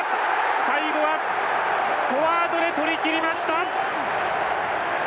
最後はフォワードで取りきりました！